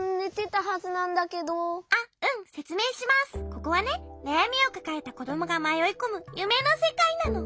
ここはねなやみをかかえたこどもがまよいこむゆめのせかいなの。